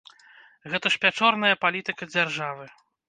Гэта ж пячорная палітыка дзяржавы!